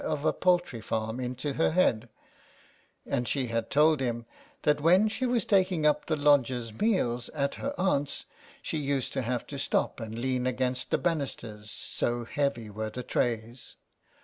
of a poultry farm into her head, and she had told him that when she was taking up the lodgers' meals at her aunt's she used to have to stop and lean against the banisters, so heavy were the trays.